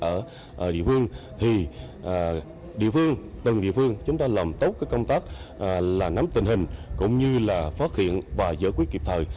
ở địa phương thì địa phương từng địa phương chúng ta làm tốt cái công tác là nắm tình hình cũng như là phát hiện và giải quyết kịp thời